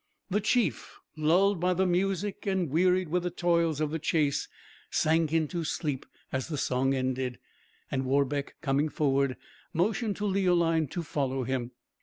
The chief, lulled by the music and wearied with the toils of the chase, sank into sleep as the song ended, and Warbeck, coming forward, motioned to Leoline to follow him.